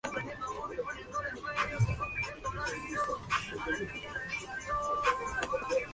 Los anales reportan su muerte dos años más tarde, pero no mencionan la causa.